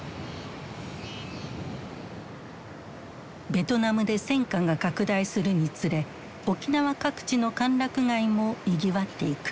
ベトナムで戦火が拡大するにつれ沖縄各地の歓楽街もにぎわっていく。